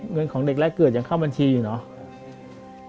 เงินของเด็กแรกเกิดยังเข้าบัญชีอยู่เหรอ